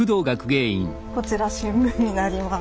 こちら新聞になります。